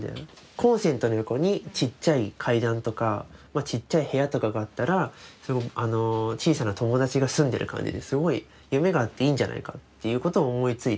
コンセントの横にちっちゃい階段とかちっちゃい部屋とかがあったら小さな友達が住んでる感じですごい夢があっていいんじゃないかということを思いついて。